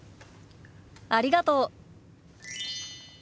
ありがとう。